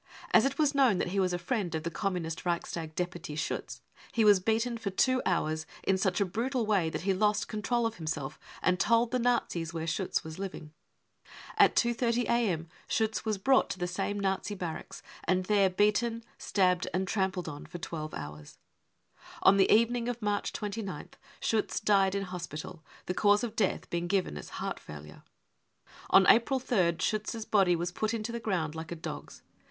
As it was known that he was a friend of the Communist Reichstag deputy Schiitz he was beaten for two hours in such a brutal way that he lost control of himself and told the Nazis where Schiitz was living. At 2.30 a.m., Schiitz was brought to the same Nazi barracks and there beaten, stabbed and trampled on for twelve hours ; on the evening of March 29th, Schiitz died in hospital, the cause of death being given as heart' failure. On April 3rd, Schiitz's body was put into the ground like a dog's.